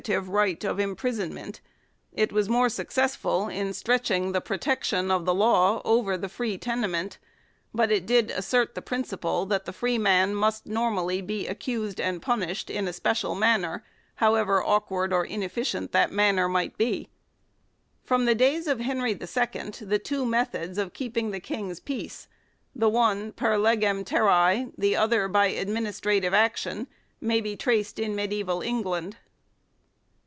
n 4 PER IUDICIUM PARIUM right of imprisonment it was more successful in stretching the protection of the law over the free tene ment but it did assert the principle that the freeman must normally be accused and punished in a special manner, however awkward or inefficient that manner might be. From the days of Henry II, the two methods of keep ing the King's peace the one "per legem terrae," the other by administrative action may be traced in mediaeval England.